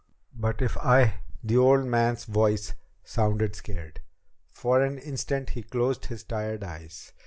"But if I " The old man's voice sounded scared. For an instant he closed his tired eyes.